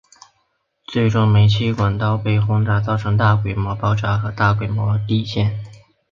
最终煤气管道被炸造成现场大规模爆炸和大规模地陷。